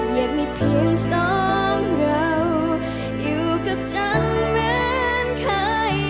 อยากมีเพียงสองเราอยู่กับฉันเหมือนเคย